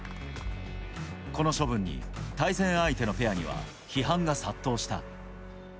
この処分に対戦相手のペアには批判が殺到した。